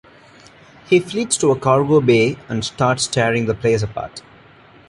He flees to a cargo bay and starts tearing the place apart.